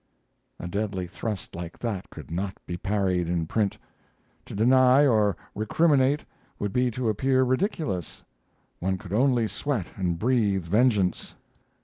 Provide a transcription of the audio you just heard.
A deadly thrust like that could not be parried in print. To deny or recriminate would be to appear ridiculous. One could only sweat and breathe vengeance.